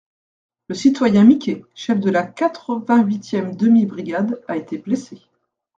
Le citoyen Miquet, chef de la quatre-vingt-huitième demi-brigade, a été blessé.